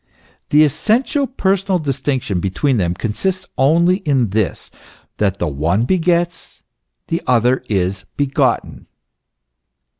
The essential personal distinction between them consists only in this, that the one begets, the other is begotten.